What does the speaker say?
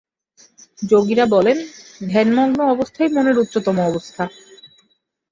যোগীরা বলেন ধ্যানমগ্ন অবস্থাই মনের উচ্চতম অবস্থা।